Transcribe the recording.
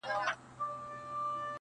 په څيرلو په وژلو كي بېباكه!.